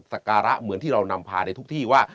สการะเหมือนที่เรานำพาในทุกที่ว่า